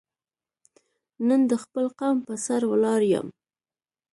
نن د خپل قوم په سر ولاړ یم.